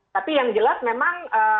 tapi yang jelas memang